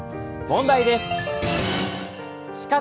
問題です。